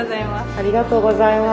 ありがとうございます。